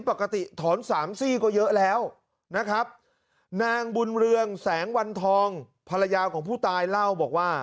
ปกติถอนสามซี่ก็เยอะแล้วนะครับนางบุญเรืองแสงวันทองภรรยาของผู้ตายเล่าบอกว่า